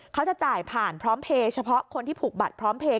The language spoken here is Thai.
เขาจะจ่ายผ่านพร้อมเพลย์เฉพาะคนที่ผูกบัตรพร้อมเพลย